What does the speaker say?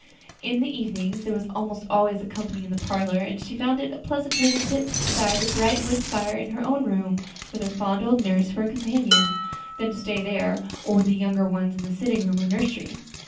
In the evening there was almost always company in the parlor, and she found it pleasanter to sit beside the bright wood fire in her own room, with her fond old nurse for a companion, than to stay there, or with the younger ones in the sitting room or nursery.